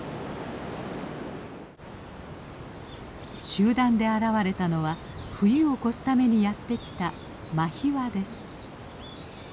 集団で現れたのは冬を越すためにやって来たマヒワです。